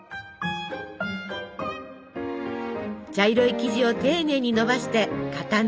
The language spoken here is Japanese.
茶色い生地を丁寧にのばして型抜き。